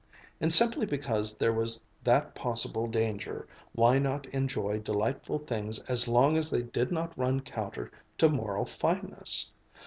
And simply because there was that possible danger, why not enjoy delightful things as long as they did not run counter to moral fineness!